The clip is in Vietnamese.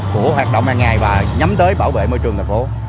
của hoạt động hàng ngày và nhắm tới bảo vệ môi trường thành phố